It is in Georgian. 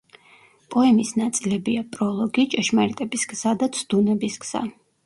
პოემის ნაწილებია: პროლოგი, ჭეშმარიტების გზა და ცდუნების გზა.